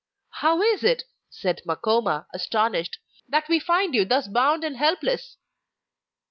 'How is it,' said Makoma, astonished, 'that we find you thus bound and helpless?